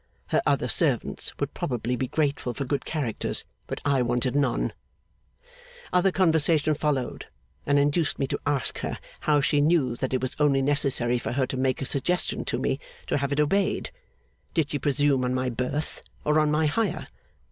Her other servants would probably be grateful for good characters, but I wanted none. Other conversation followed, and induced me to ask her how she knew that it was only necessary for her to make a suggestion to me, to have it obeyed? Did she presume on my birth, or on my hire?